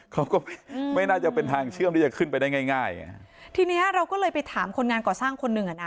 เขาก็ไม่น่าจะเป็นทางเชื่อมที่จะขึ้นไปได้ง่ายง่ายทีเนี้ยเราก็เลยไปถามคนงานก่อสร้างคนหนึ่งอ่ะนะ